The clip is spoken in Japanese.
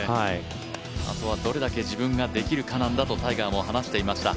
あとはどれだけ自分ができるかなんだとタイガーも話していました。